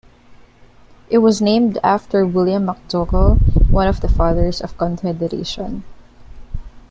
It was named after William McDougall, one of the Fathers of Confederation.